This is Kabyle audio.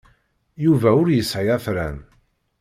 Yuba ur yesɛi afran.